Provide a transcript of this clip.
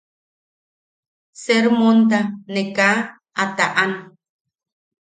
Sermonta ne kaa a taʼan.